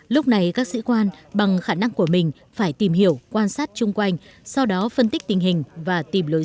lúc này các sĩ quan bằng khả năng của mình phải tìm hiểu quan sát chung quanh sau đó phân tích tình hình và tìm lối